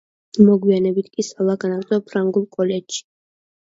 მოგვიანებით კი სწავლა განაგრძო ფრანგულ კოლეჯში.